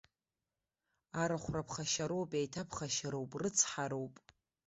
Арахәра ԥхашьароуп, еиҭаԥхашьароуп, рыцҳароуп!